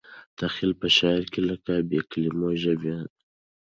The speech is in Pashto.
تخیل په شعر کې لکه بې کلیمو ژبه دی.